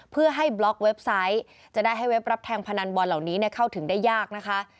เพื่อให้บล็อกเว็บไซต์จะได้ให้เว็บรับแทงพนันบอลเหล่านี้เข้าถึงได้ยากนะคะ